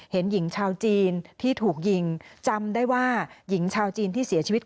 เห็นหญิงชาวจีนที่ถูกยิงจำได้ว่าหญิงชาวจีนที่เสียชีวิต